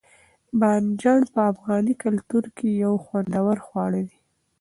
بانجڼ په افغاني کلتور کښي یو خوندور خواړه دي.